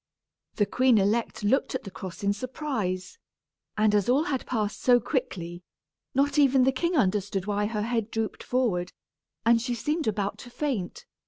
The queen elect looked at the cross in surprise, and as all had passed so quickly, not even the king understood why her head drooped forward, and she seemed about to faint.